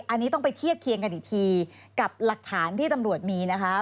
อันนี้ต้องไปเทียบเคียงกันอีกทีกับหลักฐานที่ตำรวจมีนะคะ